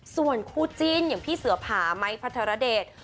ส่วนคู่จิ้นอย่างพี่เสือผาไม้พัทรเดช